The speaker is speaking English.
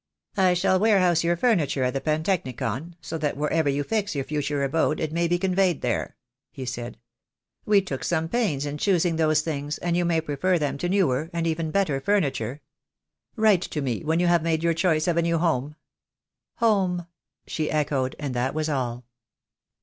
"I shall warehouse your furniture at the Pantechnicon, so that wherever you fix your future abode it may be conveyed there," he said. "We took some pains in choosing those things, and you may prefer them to newer, and even better furniture. Write to me when you have made your choice of a new home." "Home," she echoed, and that was all.